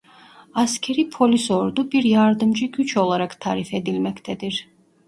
Askeri Polis Ordu bir yardımcı güç olarak tarif edilmektedir.